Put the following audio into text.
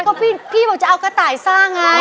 ก็พี่บอกจะเอากระต่ายสร้างไง